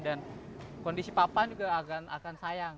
dan kondisi papan juga akan sayang